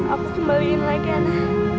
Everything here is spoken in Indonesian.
aku kembalikan lagi ana